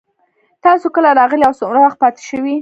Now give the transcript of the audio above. تاسو کله راغلئ او څومره وخت پاتې شوئ